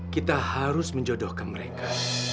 kita harus menjodohkan mereka